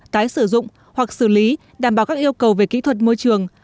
tái sử dụng hoặc xử lý đảm bảo các yêu cầu về kỹ thuật môi trường